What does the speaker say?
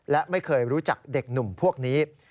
และไม่เคยรู้จักเด็กหนุ่มพวกนี้